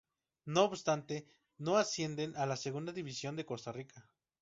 No obstante, no ascienden a la Segunda División de Costa Rica.